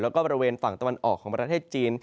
แล้วก็บริเวณฝั่งตะวันออกของประเทศจีน